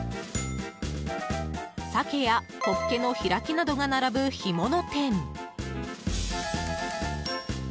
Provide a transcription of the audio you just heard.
サケやホッケの開きなどが並ぶ干物店。